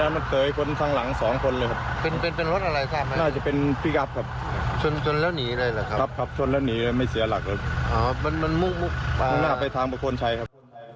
มันมุกไปทางประโฆษณ์ชัยครับ